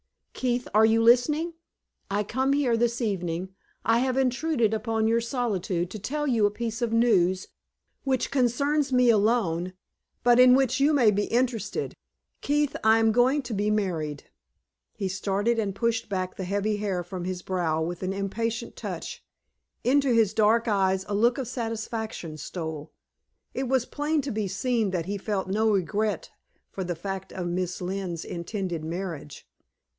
Keith, are you listening? I come here this evening I have intruded upon your solitude to tell you a piece of news which concerns me alone, but in which you may be interested. Keith, I am going to be married." He started and pushed back the heavy hair from his brow with an impatient touch; into his dark eyes a look of satisfaction stole. It was plain to be seen that he felt no regret for the fact of Miss Lynne's intended marriage.